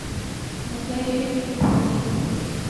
مسئلہ یہ ہے کہ ٹی ٹؤنٹی